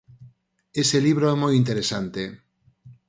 Ese libro é moi interesante.